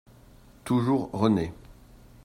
Toujours renaît